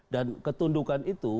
dan ketundukan itu